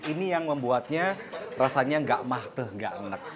ini yang membuatnya rasanya nggak matah nggak enak